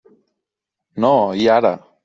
No, i ara!